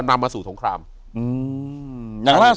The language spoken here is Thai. อยู่ที่แม่ศรีวิรัยิลครับ